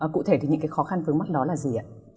cụ thể những khó khăn vướng mắt đó là gì